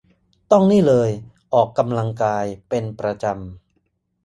ต้องนี่เลยออกกำลังกายเป็นประจำ